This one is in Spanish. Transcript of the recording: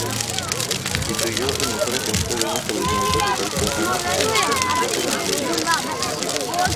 Constituyó el mejor ejemplo de un establecimiento rural serrano, productor de ganadería extensiva.